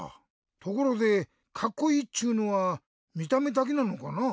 ところでカッコイイっちゅうのはみためだけなのかな？